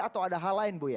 atau ada hal lain buya